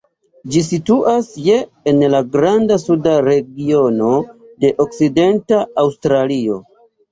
Ĝi situas je en la Granda Suda regiono de Okcidenta Aŭstralio.